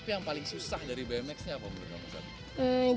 yang paling susah dari bmx nya apa menurut kamu